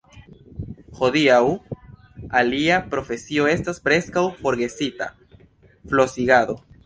Hodiaŭ ilia profesio estas preskaŭ forgesita: flosigado.